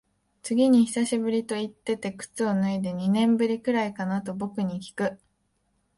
次に久しぶりと言ってて靴を脱いで、二年ぶりくらいかなと僕にきく。